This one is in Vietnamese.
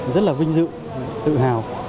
rất là vinh dự tự hào